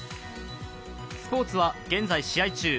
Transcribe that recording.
スポ−ツは現在、試合中。